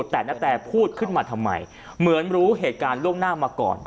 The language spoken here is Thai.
แต่ณแตพูดขึ้นมาทำไมเหมือนรู้เหตุการณ์ล่วงหน้ามาก่อน